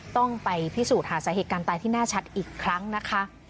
ต้องไปพิสูจน์หาสาเหตุการณ์ตายที่แน่ชัดอีกครั้งนะคะ